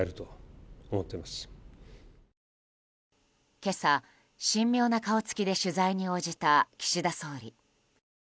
今朝、神妙な顔つきで取材に応じた岸田総理。